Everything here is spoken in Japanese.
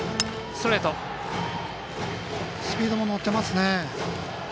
スピードも乗ってますね。